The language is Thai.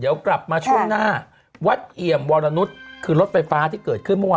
เดี๋ยวกลับมาช่วงหน้าวัดเอี่ยมวรนุษย์คือรถไฟฟ้าที่เกิดขึ้นเมื่อวาน